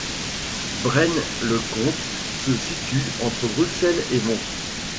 Braine-le-Comte se situe entre Bruxelles et Mons.